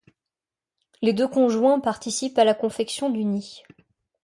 Les deux conjoints participent à la confection du nid.